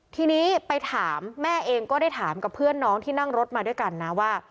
ทีนี้ไปถามแม่เองก็ได้ถามกับเพื่อนน้องที่นั่งรถมาด้วยกันนะว่า